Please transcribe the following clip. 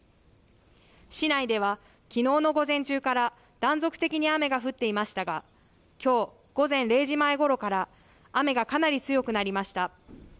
市内では、きのうの午前中から断続的に雨が降っていましたがきょう午前０時前ごろから雨がかなり強くなりました。